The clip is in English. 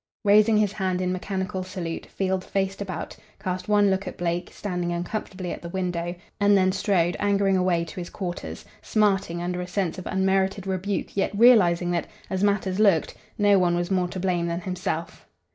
Raising his hand in mechanical salute, Field faced about; cast one look at Blake, standing uncomfortably at the window, and then strode angering away to his quarters, smarting under a sense of unmerited rebuke yet realizing that, as matters looked, no one was more to blame than himself.